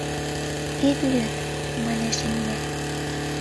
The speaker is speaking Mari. — Ит лӱд, — манеш имне.